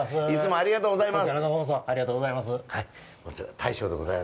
ありがとうございます。